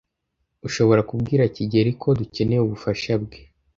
Ushobora kubwira kigeli ko dukeneye ubufasha bwe?